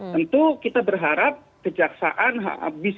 tentu kita berharap kejaksaan bisa menggunakan undang undang kepentingan